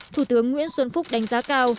thủ tướng nguyễn xuân phúc đánh giá cao